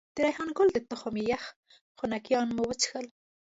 د ریحان ګل د تخم یخ خنکيانه مو وڅښل.